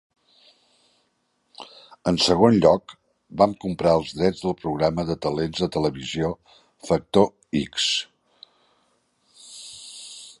En segon lloc, van comprar els drets del programa de talents de televisió Factor X.